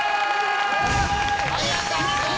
早かったね！